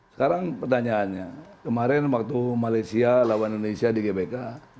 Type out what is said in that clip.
sekarang pertanyaannya kemarin waktu malaysia lawan indonesia di gbk